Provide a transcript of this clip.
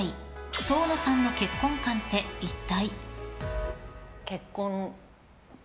遠野さんの結婚観って一体。